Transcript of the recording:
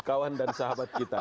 kawan dan sahabat kita